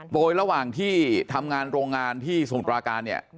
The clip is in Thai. โดยระหว่างที่ทำงานโรงงานที่สมุทรปราการเนี่ย